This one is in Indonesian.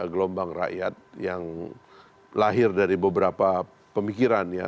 gelombang rakyat yang lahir dari beberapa pemikiran ya